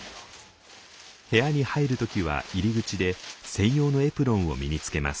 部屋に入る時は入り口で専用のエプロンを身につけます。